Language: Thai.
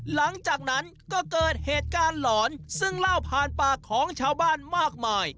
หลังจากนั้นก็เกิดเหตุการณ์หลอนซึ่งเล่าผ่านปากของชาวบ้านมากมาย